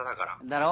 だろ？